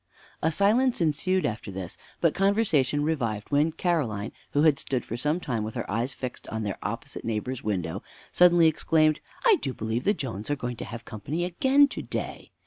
A silence ensued after this; but conversation revived when Caroline, who had stood for some time with her eyes fixed on their opposite neighbor's window, suddenly exclaimed, "I do believe the Joneses are going to have company again to day!